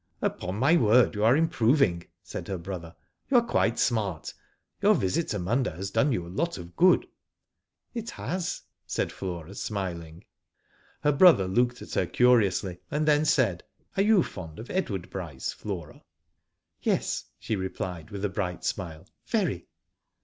'' Upon my word, you are improving/' said her brother. ''You are quite smart. Your visit to Munda has done you a lot of good/' "It has," said Flora, smiling. Her brother looked at her. curiously, and then said : "Are you fond of Edward Bryce, Flora ?'' "Yes," she replied, with a bright smile, "very.